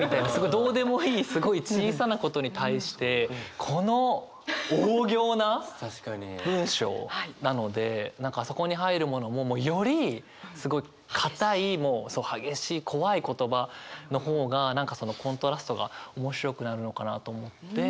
どうでもいいすごい小さなことに対してこの大仰な文章なので何かそこに入るものもよりすごい硬いもう激しい怖い言葉の方が何かそのコントラストが面白くなるのかなと思って。